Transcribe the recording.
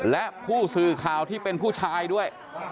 และผู้สื่อข่าวที่เป็นผู้ชายด้วย